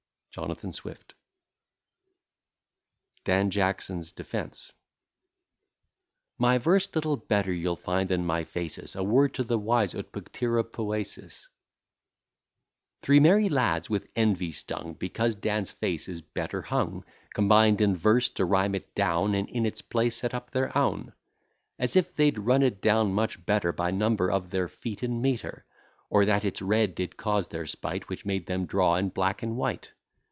JON. SWIFT. DAN JACKSON'S DEFENCE My verse little better you'll find than my face is; A word to the wise ut pictura poesis. Three merry lads, with envy stung, Because Dan's face is better hung, Combined in verse to rhyme it down, And in its place set up their own; As if they'd run it down much better By number of their feet in metre. Or that its red did cause their spite, Which made them draw in black and white.